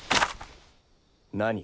何？